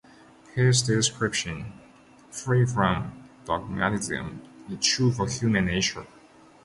His description, free from dogmatism, is true to human nature.